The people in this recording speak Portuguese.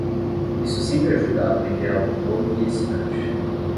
Isso sempre ajuda a aprender algo novo e excitante.